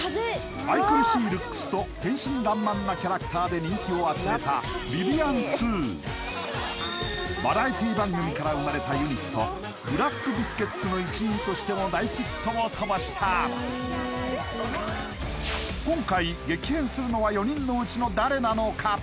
愛くるしいルックスと天真爛漫なキャラクターで人気を集めたビビアン・スーバラエティ番組から生まれたユニットブラックビスケッツの一員としても大ヒットを飛ばした４人のうちの誰なのか？